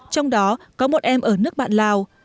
trong đó có một em ở nước bạn lào